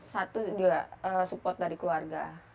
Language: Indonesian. satu support dari keluarga